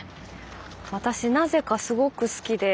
私なぜかすごく好きで。